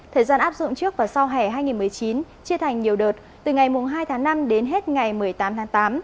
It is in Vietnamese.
thời gian áp dụng trước và sau hẻ hai nghìn một mươi chín chia thành nhiều đợt từ ngày hai tháng năm đến hết ngày một mươi tám tháng tám